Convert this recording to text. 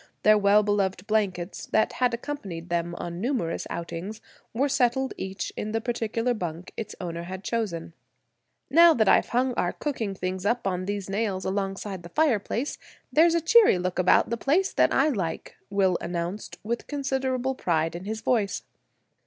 Their well beloved blankets, that had accompanied them on numerous outings, were settled each in the particular bunk its owner had chosen. "Now that I've hung our cooking things up on these nails alongside the fireplace there's a cheery look about the place I like," Will announced, with considerable pride in his voice.